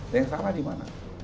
yang sama di mana